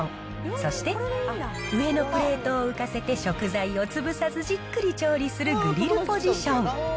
そして、上のプレートを浮かせて食材を潰さずじっくり調理するグリルポジション。